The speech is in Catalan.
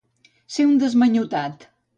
Ser un desmanyotat.